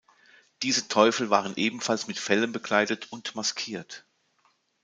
Diese Teufel waren ebenfalls mit Fellen bekleidet und maskiert.